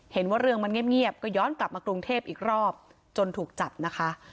เห็นว่าเรื่องมันเงียบก็ย้อนกลับมากรุงเทพอีกรอบจนถูกจับนะคะ